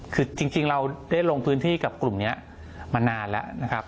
คือจริงเราได้ลงพื้นที่กับกลุ่มนี้มานานแล้วนะครับ